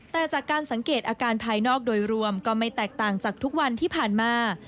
แต่จากการสังเกตอาการภายนอกโดยรวมก็ไม่แตกต่างจากทุกวันที่ผ่านมา